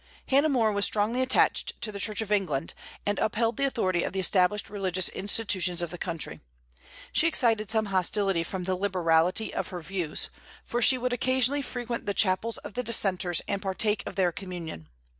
Hannah More was strongly attached to the Church of England, and upheld the authority of the established religious institutions of the country. She excited some hostility from the liberality of her views, for she would occasionally frequent the chapels of the Dissenters and partake of their communion.